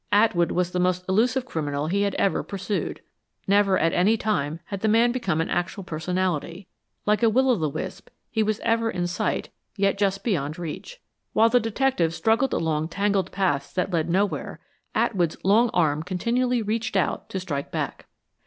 Atwood was the most elusive criminal he had ever pursued. Never at any time had the man become an actual personality. Like a will o' the wisp, he was ever in sight, yet just beyond reach. While the detectives struggled along tangled paths that led nowhere, Atwood's long arm continually reached out to strike back.